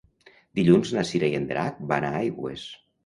Dilluns na Cira i en Drac van a Aigües.